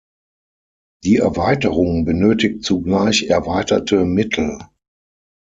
Die Erweiterung benötigt zugleich erweiterte Mittel.